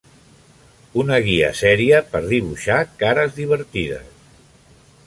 Una guia seria per dibuixar cares divertides".